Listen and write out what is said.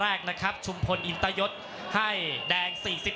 รอคะแนนจากอาจารย์สมาร์ทจันทร์คล้อยสักครู่หนึ่งนะครับ